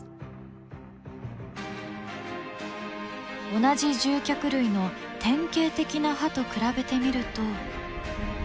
同じ獣脚類の典型的な歯と比べてみると。